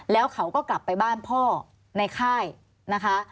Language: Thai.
แล้วเขาก็กลับไปบ้านพ่อในค่ายนะคะ